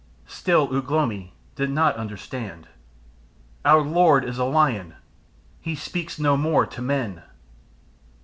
Still Ugh lomi did not understand. "Our Lord is a Lion. He speaks no more to men."